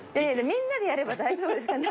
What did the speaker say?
みんなでやれば大丈夫ですから。